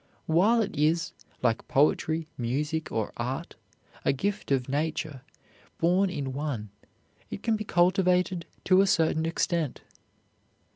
While it is, like poetry, music, or art, a gift of nature, born in one, it can be cultivated to a certain extent.